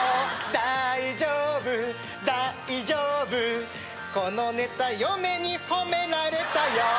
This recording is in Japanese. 大丈夫大丈夫このネタ嫁に褒められたよ